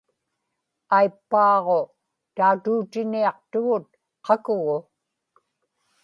aippaaġu tautuutiniaqtuguk qakugu